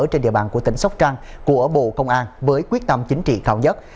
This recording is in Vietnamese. trên địa bàn của tỉnh sóc trăng của bộ công an với quyết tâm chính trị cao nhất